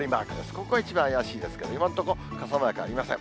ここは一番怪しいですけれども、今のところ、傘マークありません。